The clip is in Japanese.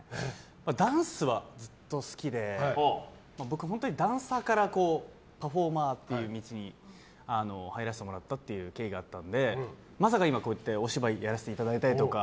ダンスはずっと好きで僕、本当にダンサーからパフォーマーという道に入らせてもらったという経緯があったのでまさか今、こうやってお芝居をやらせていただいたりとか